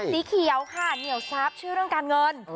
สีเขียวค่ะเหนียวซับชื่อเรื่องการเงิน